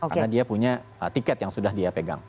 karena dia punya tiket yang sudah dia pegang